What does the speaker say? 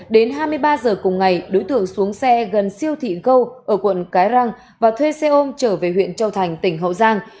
đến hai mươi ba giờ cùng ngày đối tượng xuống xe gần siêu thị gâu ở quận cái răng và thuê xe ôm trở về huyện châu thành tỉnh hậu giang